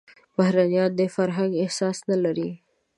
بهرنيان د فرهنګ احساس نه لري.